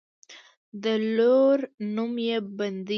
او د لور نوم يې بندۍ وۀ